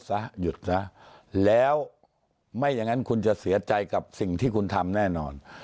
ซะหยุดซะแล้วไม่อย่างนั้นคุณจะเสียใจกับสิ่งที่คุณทำแน่นอน